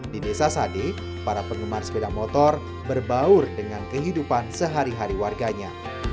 di desa sade para penggemar sepeda motor berbaur dengan kehidupan sehari hari warganya